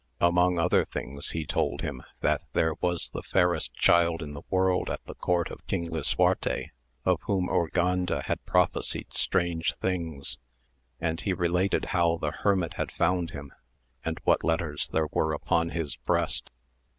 Among other things he told him that there was the fairest child in the world at the court of King Lisuarte, of whom Urganda had prophesied strange things, and he related how the hermit had found him, and what letters there were upon his breast.